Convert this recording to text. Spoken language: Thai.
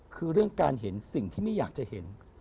คือเรื่องการเห็นสิ่งที่ไม่อยากจะเห็น